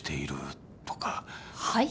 はい？